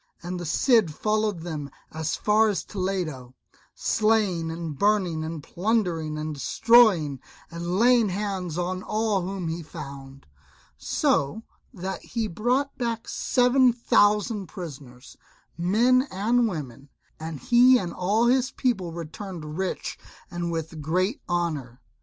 And the Cid followed them as far as Toledo, slaying and burning, and plundering and destroying, and laying hands on all whom he found, so that he brought back seven thousand prisoners, men and women; and he and all his people returned rich and with great honour.